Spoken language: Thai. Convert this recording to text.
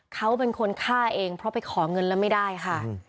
เขาเป็นคนฆ่าเองเพราะไปขอเงินแล้วไม่ได้ค่ะ